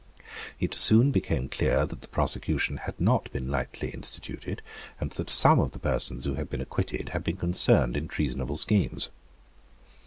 It soon became clear that the prosecution had not been lightly instituted, and that some of the persons who had been acquitted had been concerned in treasonable schemes.